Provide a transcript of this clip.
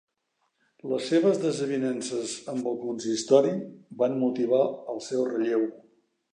Les seves desavinences amb el consistori van motivar el seu relleu.